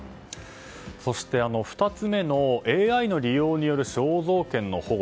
そして、２つ目のＡＩの利用による肖像権の保護。